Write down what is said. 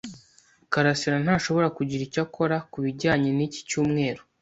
karasira ntazashobora kugira icyo akora kubijyanye niki cyumweru.